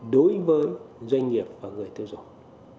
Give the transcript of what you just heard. đối với doanh nghiệp và người tiêu dụng